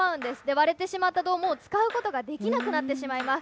割れてしまった胴、もう使うことができなくなってしまいます。